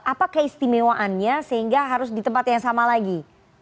apa keistimewaannya sehingga harus di tempat yang sama lagi